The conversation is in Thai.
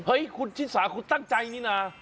เฮ้ยคุณชิสาคุณตั้งใจนี่นะ